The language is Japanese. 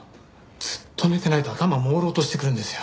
ずっと寝てないと頭朦朧としてくるんですよ。